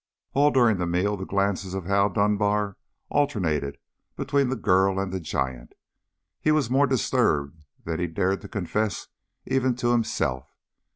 All during the meal the glances of Hal Dunbar alternated between the girl and the giant. He was more disturbed than he dared to confess even to himself.